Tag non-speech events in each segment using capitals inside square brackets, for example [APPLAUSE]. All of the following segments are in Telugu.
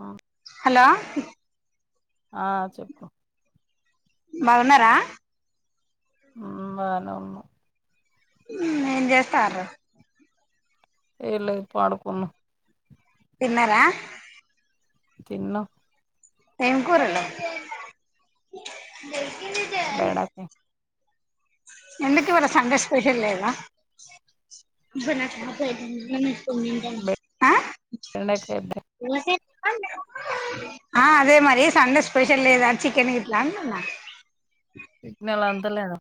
ఆ హలో ఆ చెప్పు బగునరా బానే ఉన్నా చేస్తా ఏ లే పాడుకున్న తిన్నార తినం ఏం కూరలు బేడ ఎందుకు ఇవాడ సండే స్పెషల్ లేదా [UNINTELLIGIBLE] బెండకాయ అ అదే మరి సండే స్పెషల్ లేదా చికెన్ గిట్లా సిగ్నల్ అందుతలేవా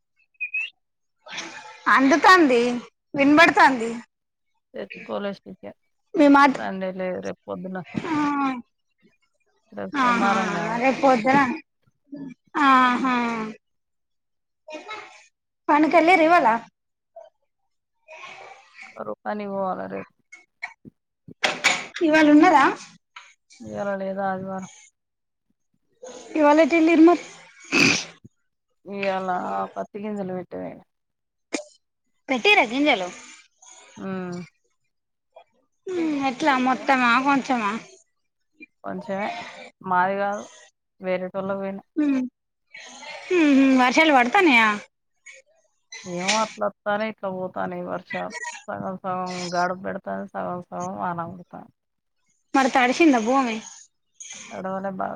అందుతోంది వినబడుతోంది కోలేజ మాట సండేల రే పొదున్న ఆహా ర రేపుదరా ఆహా ఉమ్, పనికి వెళ్ళారా ఇవాళ [INAUDIBLE] రేపు పనికి పోవాలి ఇవాళ్ళ ఉన్నాదా ఇయ్యాళ్ల లేదా అదివారం ఇవాళటి ఇల్ ఇర్ మ ఇయ్యలా పతికిజలమిట్ వేణ పెట్టి రజంజలో ఉము ఉము ఎట్లా మొత్తమా కొంచమా కొంచమే మాది కాదు వేరే టోళ్ళకి పోయిన వర్షాలు పడతానయా నేమ అట్లాస్తానే ఇక్కబోతాను ఈ వర్ష సగ సగం గగాడుబడతాను సగం స అనడుత మరి త అడిసిిందా భూమే అడ వాళ్ళ బావ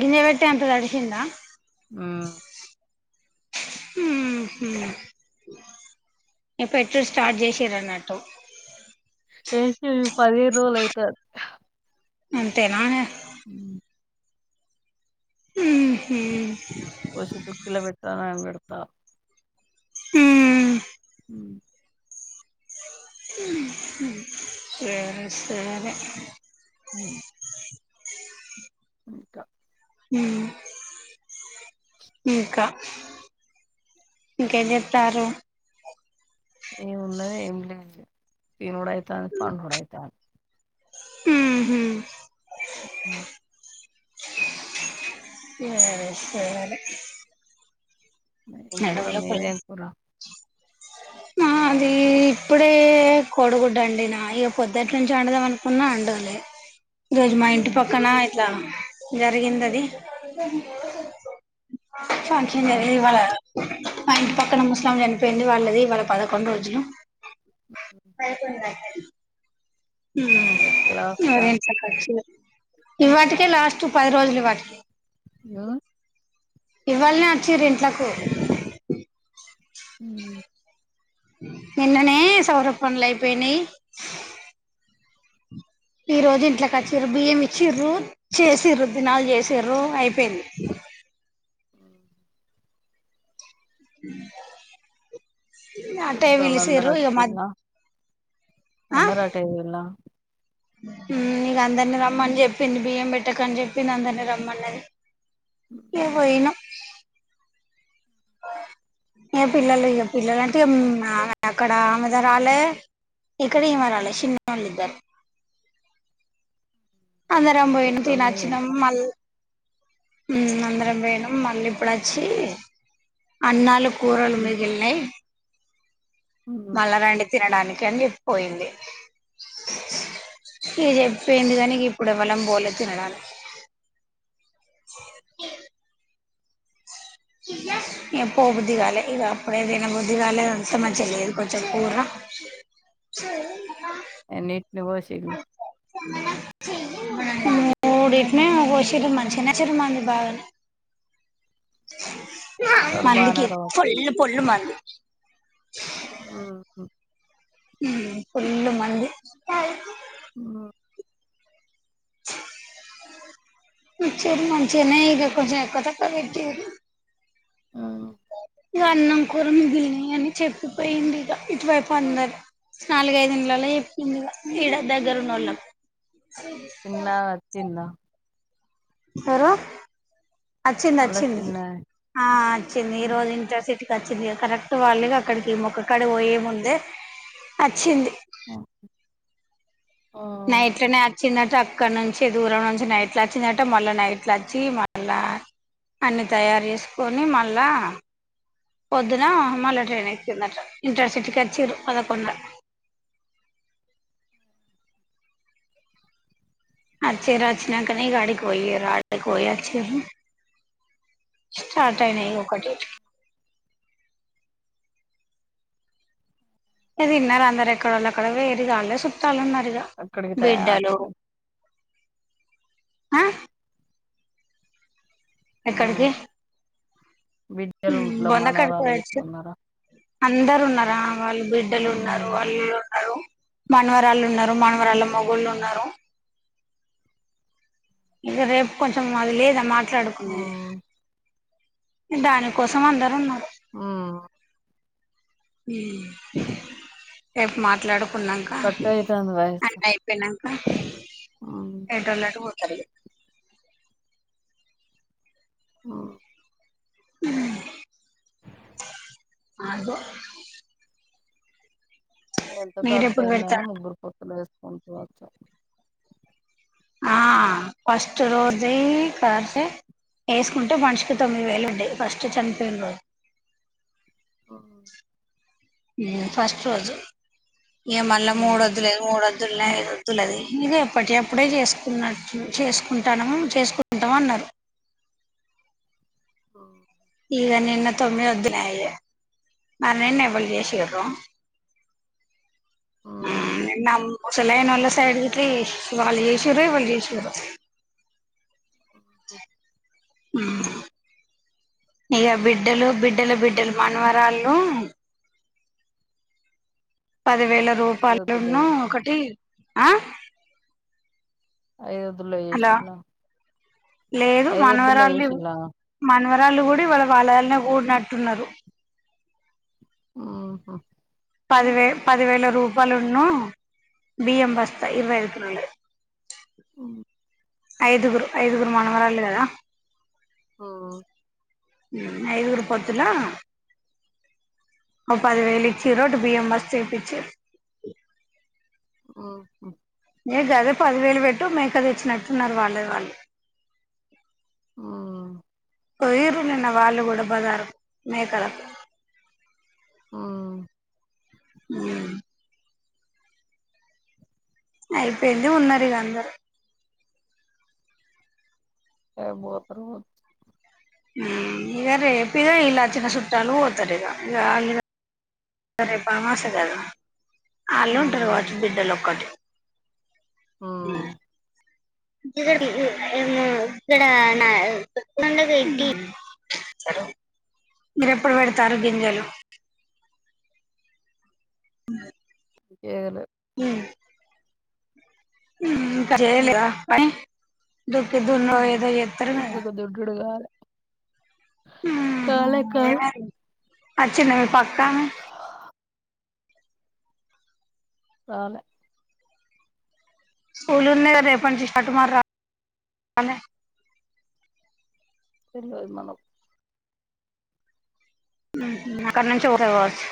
గిన్నెబెటతే అంత తడిసిందా ఆ ఉము హు మీ పెట్టుడు స్టార్ట్ చేసిరన్నట్టు ఏ పదిహేర్ రోజల అయితు అది అంతే నారా అ ఉహ పోశ దు కల పెట్టన అ పెడత ఉ సేర అ ఇంకా ఇంకా ఇంకాజతారు ఏమున్నది ఏం లేదు తినుడు అయితోంది పండుడు అయితోంది హ [INAUDIBLE] సరే సరే మెత్తిం కూర నడువుల మీదేమో కూర ఆ అది ఇప్పుడే కోడిగుడ్డ అండి నా ఇక పొద్దుట్ నుంచి వండదాం అనుకున్నా అండోలే [INAUDIBLE] ఈ రోజు మా ఇంటి ఉమ్, పక్కన ఇట్లా జరిగింద అది ఫంక్షన్ ఆ లేదు ఇవాళ్ళ మా ఇంటి పక్కన ముసలామే చనిపోయింది వాళ్ళది ఇవాళ్ళ పదకొండు రోజులు పైకి పోయింది లహరి ఎక్కడికి లాస్టా మరి ఇంత ఖర్చు ఇవాటికే లాస్ట్ పది రోజులు ఇ వాటికే ఇగో ఇవ్వాలనే వచ్చిరు ఇంట్లకు ఉము నిన్ననే సౌర పనులు అయిపోయింన ఈ రోజు ఇంట్లోకి వచ్చిర బియ్యం ఇచ్చ్రు చేసిర్రు దినాలు చేసిరు అయిపోయింది [INAUDIBLE] [INAUDIBLE] అటే చుట్టోలందరూ పిలిసిన్రు ఇగా వచ్చిల్లా మధుహ్నము అ అందరు అటే పోయిల్లా నక అందరినీ రమ్మని చెప్పింది బియ్యం పెట్టక అని చెప్పింది అందరినీ రమ్మండి అని నువ్ బోయినవ్ [INAUDIBLE] ఏ పిల్లలు ఏ పిల్లలు అంటే అక్కడ ఆమెద రాలే ఇక్కడే ఈమె రాలే చిన్న వాళ్ళిద్దరు [INAUDIBLE] అందరం బోయినం పెద్దోళ్ళు తినొచ్చినం పోయిండ్రా మళ్ళ అందరం పోయినం మళ్ళీ ఇప్పుడు వచ్చి అన్నాలు కూరలు మిగిలిన్నాయి మళ్ళరండి తినడానికి అని చెప్పిపోయింది ఇగ చెప్పిపోయింది గాని అప్పుడు యెవలం పోలే తినడానికి [INAUDIBLE] ఇగ పో బుద్దిగాలే ఇగ అప్పుడే దిన బుద్దిగాలే అంత మంచిగా లేదు కొంచెం కూర ఏం దబ్బా ఇగ బోషెల్లి చెయ్యి నువ్ మూడిట్నే మంచిగనే వచ్చిర్రు మంది బాగానే [INAUDIBLE] బానే మందికి రావచ్చు ఫుల్ ఫుల్లు మందు ఆహా ఫుల్ మంది ఉమ్ వచ్చిర్రు మంచిగనే కొంచమ్ ఎక్కువ తక్కువ పెట్టిర్రు అ ఇగ అన్నం కూర మిగిలినివి అని చెప్పిపోయింది ఇగ ఇటువైపు అందరికి నాలుగైదు ఇళ్లల్ల చెప్పింది ఇగ ఈడ దగ్గరన్నోళ్ళకు తిన్నా తిన్నా హలో అచ్చింది అల్ల అచ్చింది చిన్నామే ఆ అచ్చింది ఈ రోజు ఇంటర్సిటీ వచ్చింది కరెక్ట్ వాళ్ళుగా అక్కడికి మొక్కుకాడికి పోయే ముందే వచ్చింది ఆ నైట్లనే చిన్న ట్రాక్ క్కా నుంచి దూరం నుంచి నైట్ల వచ్చిందట్ట మళ్ళా నైట్ల వచ్చి మళ్ళా అన్ని తయారు చేసుకొని మళ్ళా పొద్దున మళ్ళా ట్రైన్ ఎక్కిందట ఇద్దర్ సిటీకి వచ్చిరు పదకొండన [INAUDIBLE] అచ్చింరు అచ్చినంకనే ఇగా ఆడికి పోయిర్రు, ఆడికి పోయిఅచ్చిర్రు. స్టాటైనయ్ ఒకటి [INAUDIBLE] ఇగ తిన్నరు అందరు ఎక్కడోళ్ళు అక్కడ వోయిర్రు ఇగా అందరు సుట్టాలు ఉన్నరు. అక్కడికి తయ బిడ్డలు అక్కడ ఉమ్ ఉమ్, ఎక్కడికి బిడ్డలు ఉమ్ ఇట్లా బొంద కాడికి మనవరాలు గిట్ల పోయొచ్చు ఉన్నారా అందరు ఉన్నారా. వాళ్ళు బిడ్డలు ఉన్నరు, ఉమ్, అల్లులు ఉన్నరు. మానవరాల్లు ఉన్నారు మానవరాళ్ళ మొగుళ్ళు ఉన్నారు ఇగ రేపు కొంచం అది లేదా మాట్లాడుకునేది. ఉమ్, దానికోసం అందరు ఉన్నారు ఉమ్. రేపు మాట్లాడు కున్నంక కట్ అయితాంది వయసు అంత అయిపోయినంక ఉమ్, ఎటోళ్ళు అట్ పోతరు ఇగా. ఆ అద ఎంత ఖర్చు మీరెప్పుడు అయిందని పెడతారు ముగ్గురు పొత్తుల ఎసుకుంట వచ్చు ఆ ఫస్ట్ రోజే కాస ఎసుకుంటే మనిషికి తొమ్మిది వేలు ఉండే ఫస్ట్ చనిపోయిన రో. అ ఈ ఫస్ట్ రోజు ఇగా మళ్ళా మూడు ఉమ్, వొద్దులే మూడు ద్ద్దులది ఇది ఎప్పటి ఎప్పుడే చేసుకున్న చేసుకుంటానో చేసుకుంటాము అన్నారు అఓ ఇగా నిన్న తొమ్మివొద్దులాయే మన్నే ఎవడు చేషిరో ఉమ్. నమ్ ముసలైన్ వోళ్ళ సైడ్ గిట్ల వాళ్ళు చేశిర్రో ఎవరు చేశిర్రో. ఓ హ్ ఇగా బిడ్డలు బిడ్డల బిడ్డలు మనవరాళ్ళు పదివేల ఐదొద్దులు రూపాయలున్న ఒకటి ఆ ఐదువోద్దుల హలో చేేసిళ్లా. లేదు మనవరాళ్ళని మనవరాళ్లుు కూడా ఇవాళ వాళ్ళగాళనే కూడినట్టున్నారు హుహ్ పదివే పదివేల రూపాయలున్న బియ్యం బస్తా ఇరవైఐదు కిలోలయి. హ్ ఐదుగురు ఐదుగురు మనవరాలు కదా ఓహో హ్ ఐదుగురు పొత్తులా ఒక ఓ పదివేలు ఇచ్చిరో టి బియ్యం బస్ చేపిచ్చారు ఓ మే గదే పదివేలు పెట్టు మేక తేచ్చినట్టున్నారు వాళ్ళే వాళ్ళు హ్మ్మ్ కొయరు నిన్న వాళ్ళు కూడా బజారు మేకల హ్మ్మ్ ఉమ్మ్ అయిపోయింది ఉన్నరు ఇగా అందరు. ఏ బ్రోతరు హ్ ఇగా రేపిగా ఇల్లు అచ్చిన సుట్టాలు పోతరు ఇగా. రేప్ అమాస గదా అలు ఉంటారు కావాచ్చు బిడ్డలు ఒక్కటి ఇక్కడ ఏమ ఇక్కడ నా చెప్పండ ఏంటి మీరు ఎప్పుడు పెడతారు గింజలు అ ఎదిలేదు. చేయలేదా అట్నే దుక్కి దూన్న దే చెప్తారు కదా ఇంకొక దొడ్డుడు కాదు కాలే హ్మ్మ్ అచ్చిన్ నీపక్క హా రాలే స్కూల్ ఉన్నాది రేప నుంచి చట్టుమార్ నే తెలువదు మనం హుహ్ అంకనుంచే పోతద్ కావచ్చు.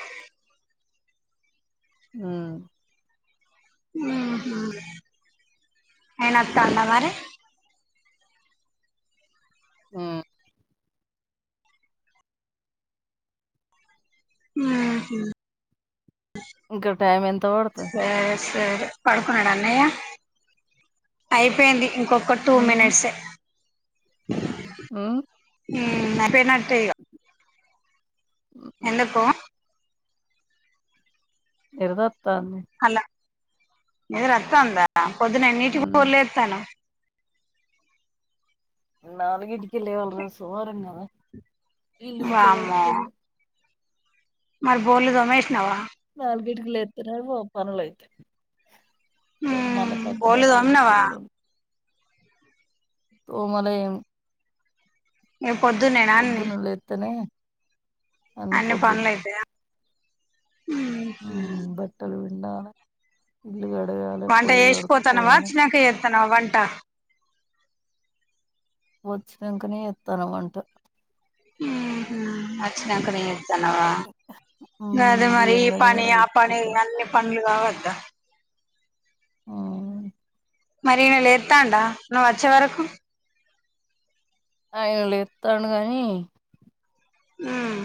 ఊ హుహు అయిన వత్తానండ మరి ము హు హ్మ్ ఇంకా టైమ్ ఎంత పడుత సరే పడుకున్నాడు అన్నయ్య అయిపోయింది ఒక్క టూ మినిట్సే ఓ హ్ అయిపోయినట్టే ఇగా. ఉమ్ ఎందుకో నిరుదొత్తాంది. నిధుర అత్తందా పొద్దున ఉమ్ ఎన్నింటికి లేత్తన్నవు. నాలుగీంటికిలె వాలీ సోమవారం కదా ఇల్లు గిట్లా వామ్మో కడుకుం మరి బోల్లు తోమేశినవా. నాలుగింటికి లేత్తనేమో పనులు అయితే రేపు మళ్ళా ఉమ్ బోర్లు పక్కబట్టలు తోమినవా పిండుకునుడు ఉంది. తోమలెం ఇగా పొద్దునేనా అన్ని లేత్తనే అన్ని పనులు అయితాయా హు హ్మ్ ఇంగ ఇల్లు కడగాలి పోయి కడక్కోవాలి న వంటా వచ్చినంకనే చేత్తాన వంట. హుహ్ అచ్చినంకనే ఉమ్ గదే మరి బియ్యం ఈ కడిగి పని ఆడ ఆ పని పెట్టుకుంటాన్న అన్ని పనులు కావ దా ఆ మరి ఇయన లేతాండా నువ్వు వచ్చే వరకు. ఆయన లేత్తండు గానీ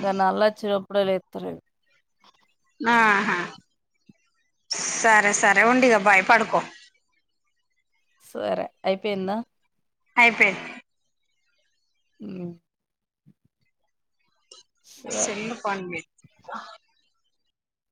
గా నళ్ళోచ్చినప్పుడే లేత్తాలే ఆహా సరే సరే ఉండిగా బాయ్ పడుకో సేరే అయిపోఇంద ఐపోఇం ఉ ఆ సరే సెల్ పనిత్తలేదా